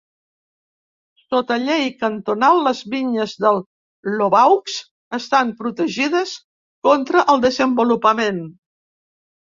Sota llei cantonal, les vinyes del Lavaux estan protegides contra el desenvolupament.